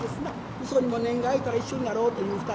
うそにも年季が明いたら一緒になろうという２人。